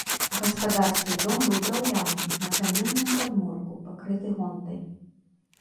Гаспадарскі дом быў драўляны, на каменным падмурку, пакрыты гонтай.